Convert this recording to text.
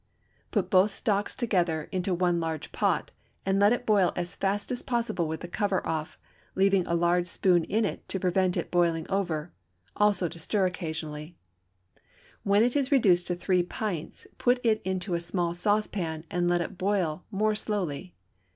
Put both stocks together into one large pot, and let it boil as fast as possible with the cover off, leaving a large spoon in it to prevent it boiling over, also to stir occasionally; when it is reduced to three pints put it into a small saucepan, and let it boil more slowly.